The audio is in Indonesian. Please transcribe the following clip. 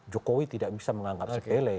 jokowi tidak bisa menganggap sepele